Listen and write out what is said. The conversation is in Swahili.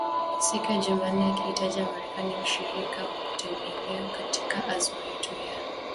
siku ya Jumanne akiitaja Marekani mshirika wa kutegemewa katika azma yetu ya